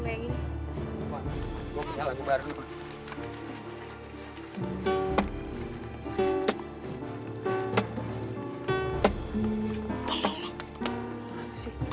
gue pindah lagi baru